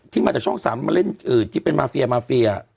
ที่มาจากช่องสามมาเล่นที่เป็นมาเฟีย